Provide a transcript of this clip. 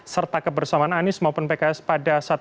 serta kebersamaan anies maupun pks pada saat